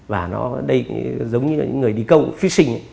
và nó đây giống như những người đi câu phí sinh